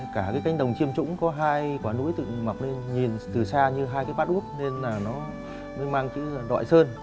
cả cái cánh đồng chiêm trũng có hai quả núi tự mọc lên nhìn từ xa như hai cái bát úp nên là nó mới mang chữ đoại sơn